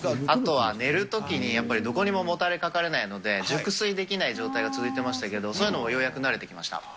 あとは寝るときに、やっぱりどこにももたれかかれないので、熟睡できない状態が続いてましたけど、そういうのもようやく慣れてきました。